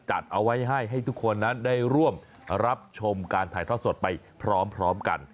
จัดเอาไว้ให้ให้ทุกคนนั้นได้ร่วมรับชมการถ่ายทอดสดไปพร้อมกัน